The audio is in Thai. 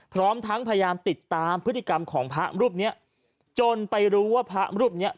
พร้อมทั้งพยายามติดตามพฤติกรรมของพระรูปเนี้ยจนไปรู้ว่าพระรูปเนี้ย